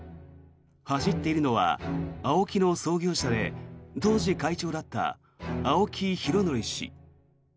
走っているのはＡＯＫＩの創業者で当時、会長だった青木拡憲氏。